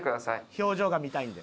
「表情が見たいので」。